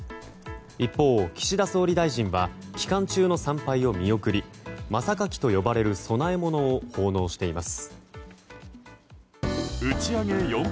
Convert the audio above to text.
一方、岸田総理大臣は期間中の参拝を見送り真榊と呼ばれる供え物を奉納しています。